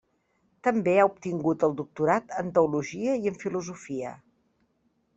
També ha obtingut el doctorat en Teologia i en Filosofia.